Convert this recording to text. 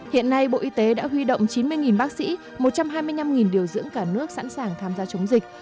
hiện nay bộ y tế đã huy động chín mươi bác sĩ một trăm hai mươi năm điều dưỡng cả nước sẵn sàng tham gia chống dịch